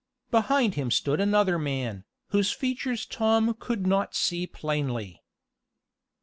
Behind him stood another man, whose features Tom could not see plainly.